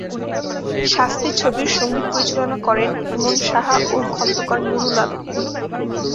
শাস্তি ছবির সঙ্গীত পরিচালনা করেন ইমন সাহা ও খন্দকার নুরুল আলম।